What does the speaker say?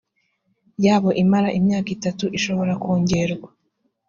yabo imara imyaka itatu ishobora kongerwa